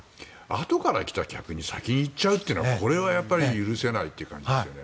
後から来た客に先に行っちゃうというのはこれはやっぱり許せないという感じですよね。